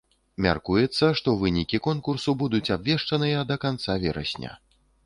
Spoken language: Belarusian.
Мяркуецца, што вынікі конкурсу будуць абвешчаныя да канца верасня.